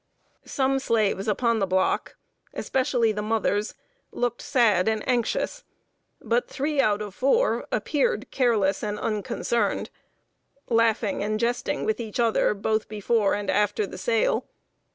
Some slaves upon the block especially the mothers looked sad and anxious; but three out of four appeared careless and unconcerned, laughing and jesting with each other, both before and after the sale.